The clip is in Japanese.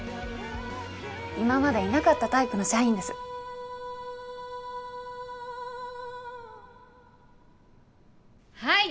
今までいなかったタイプの社員ですはい